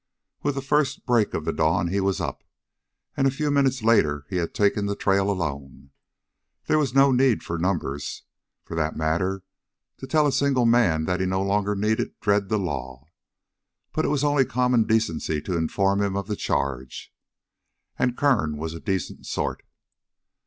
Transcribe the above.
With the first break of the dawn he was up, and a few minutes later he had taken the trail alone. There was no need of numbers, for that matter, to tell a single man that he no longer need dread the law. But it was only common decency to inform him of the charge, and Kern was a decent sort.